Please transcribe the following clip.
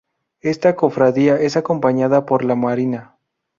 Esta cofradía es acompañada por la Marina.